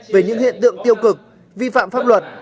về những hiện tượng tiêu cực vi phạm pháp luật